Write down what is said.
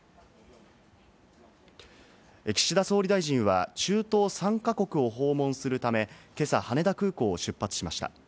岸田総理大臣は、中東３か国を訪問するため、今朝、羽田空港を出発しました。